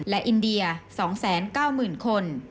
และอินเดีย๒แสน๙หมื่นคน